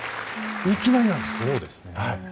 いきなりなんです。